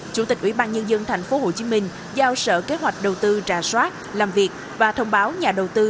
chủ tịch ủy ban nhân dân tp hcm giao sở kế hoạch đầu tư trà soát làm việc và thông báo nhà đầu tư